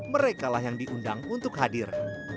merekalah yang diundang untuk hadir